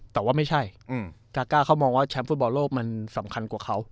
แต่ว่าไม่ใช่กาก้าเขามองว่าแชมป์ฟุตบอลโลกมันสำคัญกว่าเขา